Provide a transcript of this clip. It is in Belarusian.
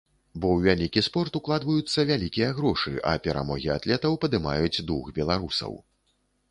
Бо ў вялікі спорт укладваюцца вялікія грошы, а перамогі атлетаў падымаюць дух беларусаў.